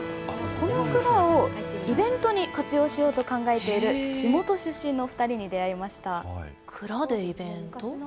この蔵をイベントに活用しようと考えている、地元出身の２人蔵でイベント？